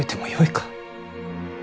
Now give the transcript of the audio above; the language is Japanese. か